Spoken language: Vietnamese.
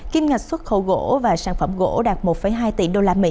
kim ngạch xuất khẩu gỗ và sản phẩm gỗ đạt một hai tỷ usd